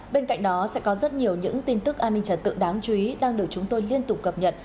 bên cạnh đó sẽ có rất nhiều những tin tức an ninh trả tự đáng chú ý đang được chúng tôi liên tục cập nhật